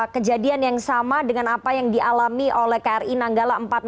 kejadian yang sama dengan apa yang dialami oleh kri nanggala empat ratus dua